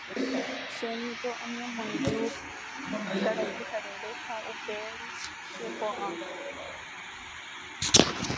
Chéniko añemoirũ karai Pyharére ha upévare chepo'a.